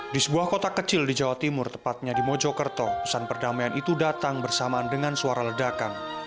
di sebuah kota kecil di jawa timur tepatnya di mojokerto pesan perdamaian itu datang bersamaan dengan suara ledakan